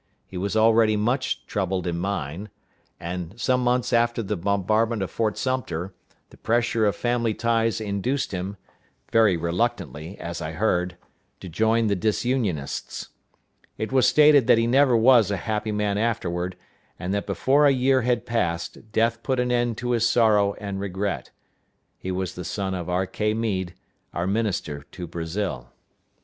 He was already much troubled in mind; and some months after the bombardment of Fort Sumter the pressure of family ties induced him (very reluctantly, as I heard) to join the Disunionists. It was stated that he never was a happy man afterward, and that before a year had passed death put an end to his sorrow and regret. He was the son of R.K. Meade, our minister to Brazil.